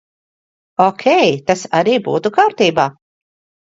Okei, tas arī būtu kārtībā.